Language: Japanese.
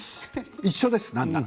一緒です、何なら。